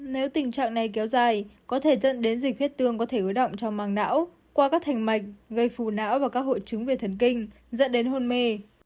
nếu tình trạng này kéo dài có thể dẫn đến dịch huyết tương có thể ứ động trong mảng não qua các thành mạch gây phù não và các hội chứng về thần kinh dẫn đến hôn mê